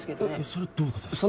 それどういうことですか？